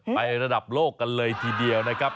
ระดับโลกกันเลยทีเดียวนะครับ